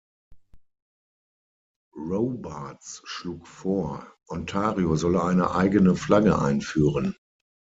Robarts schlug vor, Ontario solle eine eigene Flagge einführen.